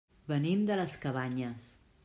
Venim de les Cabanyes.